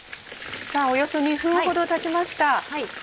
およそ２分ほどたちました。